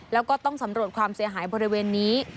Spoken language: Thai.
แล้วก็ต้องสำรวจความเสียหายบริเวณนี้